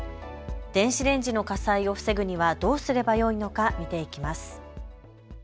電子レンジの火災を防ぐにはどうすればよいのか見ていきます。